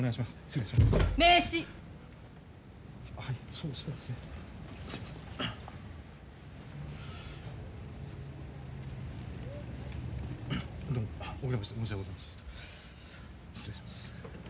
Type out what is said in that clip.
失礼します。